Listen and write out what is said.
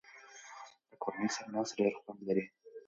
د کورنۍ سره ناسته ډېر خوند لري.